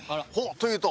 というと？